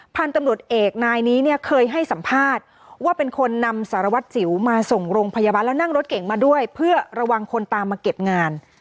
พันธุ์ตำรวจเอกนายนี้เนี่ยเคยให้สัมภาษณ์ว่าเป็นคนนำสารวัตรสิวมาส่งโรงพยาบาลแล้วนั่งรถเก่งมาด้วยเพื่อระวังคนตามมาเก็บงาน